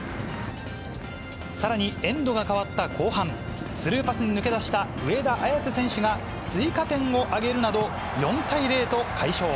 さらにエンドが変わった後半、スルーパスに抜け出した上田綺世選手が、追加点を挙げるなど、４対０と快勝。